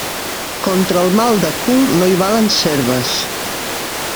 Contra el mal de cul no hi valen serves.